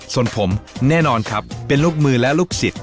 ส่วนผมแน่นอนครับเป็นลูกมือและลูกศิษย